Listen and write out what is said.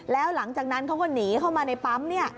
แล้วหลังจากนั้นเขาก็หนีเข้ามาในปั๊ม